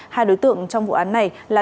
hai đối tượng trong vụ án này là